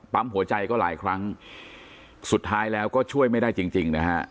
หัวใจก็หลายครั้งสุดท้ายแล้วก็ช่วยไม่ได้จริงจริงนะฮะ